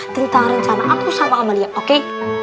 tentang rencana aku sama amalia oke